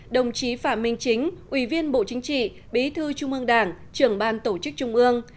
đồng chí phạm minh chính ủy viên bộ chính trị bí thư trung ương đảng trưởng ban tổ chức trung ương